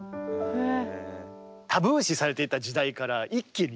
へえ。